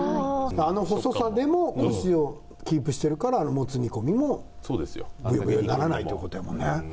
あの細さでもコシをキープしてるからもつ煮込みもブヨブヨにならないということやもんね。